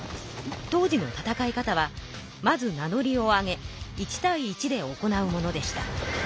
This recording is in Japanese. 当時の戦い方はまず名のりを上げ１対１で行うものでした。